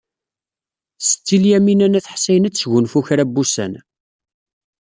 Setti Lyamina n At Ḥsayen ad tesgunfu kra n wussan.